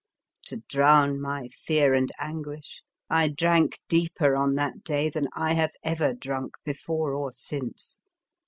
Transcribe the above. To drown my fear and anguish, I drank deeper on that day than I have ever drunk before or since.